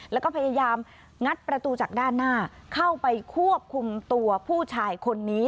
แล้วก็พยายามงัดประตูจากด้านหน้าเข้าไปควบคุมตัวผู้ชายคนนี้